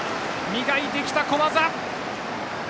磨いてきた小技！